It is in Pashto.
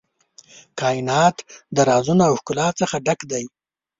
کائنات د رازونو او ښکلا څخه ډک دی.